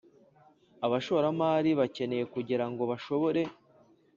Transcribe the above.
Abashoramari bakeneye kugira ngo bashobore